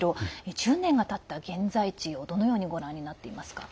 １０年がたった現在地をどのようにご覧になっていますか。